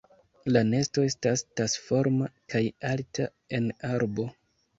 La nesto estas tasforma kaj alta en arbo.